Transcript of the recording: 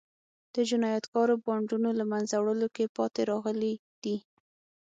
د جنایتکارو بانډونو له منځه وړلو کې پاتې راغلي دي.